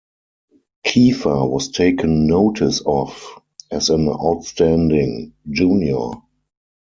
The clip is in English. Kiefer was taken notice of as an outstanding junior.